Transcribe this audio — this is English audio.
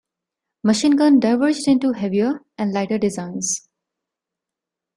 Machine guns diverged into heavier and lighter designs.